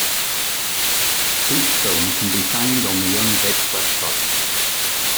Each film can be found on the Young Vic's website.